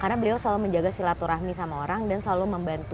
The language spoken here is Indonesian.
karena beliau selalu menjaga silaturahmi sama orang dan selalu membantu